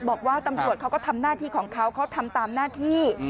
บอกว่าตำรวจเขาก็ทำหน้าที่ของเขาเขาทำตามหน้าที่